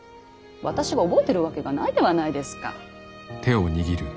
私が覚えてるわけがないではないですか。